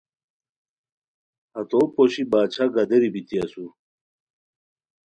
ہتو پوشی باچھا گدیری بیتی اسور